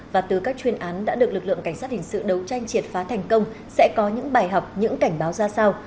và từ các chuyên án đã được lực lượng cảnh sát hình sự đấu tranh triệt phá thành công sẽ có những bài học những cảnh báo ra sao